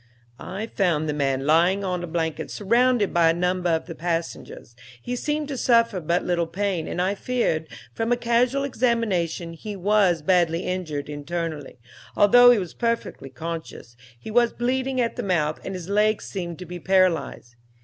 "I found the man lying on a blanket surrounded by a number of the passengers. He seemed to suffer but little pain, and I feared, from a casual examination, he was badly injured internally, although he was perfectly conscious; he was bleeding at the mouth, and his legs seemed to be paralyzed.